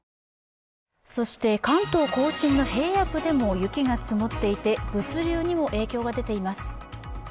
関東甲信の平野部でも雪が積もっていて物流にも影響が出ています。